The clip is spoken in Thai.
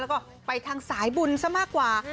แล้วก็ไปทางสายบุญซะมากกว่า